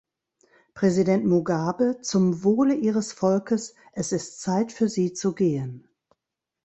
Präsident Mugabe, zum Wohle Ihres Volkes, es ist Zeit für Sie zu gehen!